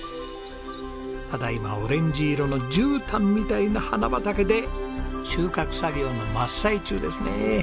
ただ今オレンジ色の絨毯みたいな花畑で収穫作業の真っ最中ですね。